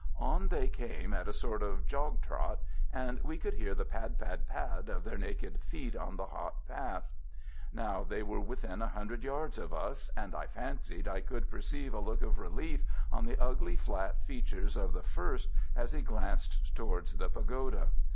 On they came at a sort of jog trot, and we could hear the pad! pad! pad! of their naked feet on the hot path. Now they were within 100 yards of us, and I fancied I could perceive a look of relief on the ugly flat features of the first as he glanced towards the pagoda.